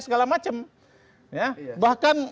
segala macam bahkan